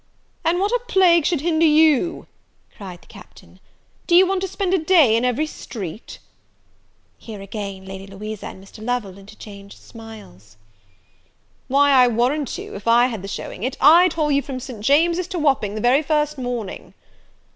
"And what a plague should hinder you?" cried the Captain; "do you want to spend a day in every street?" Here again Lady Louisa and Mr. Lovel interchanged smiles. "Why, I warrant you, if I had the showing it, I'd haul you from St. James's to Wapping the very first morning."